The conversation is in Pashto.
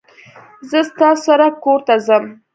زه ستاسو سره کورته ځم